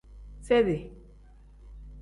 Sedi.